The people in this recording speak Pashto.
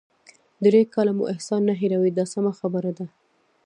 درې کاله مو احسان نه هیروي دا سمه خبره ده.